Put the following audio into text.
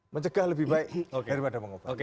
mencegah lebih baik daripada mengobati